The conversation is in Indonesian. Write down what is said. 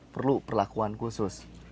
perlu perlakuan khusus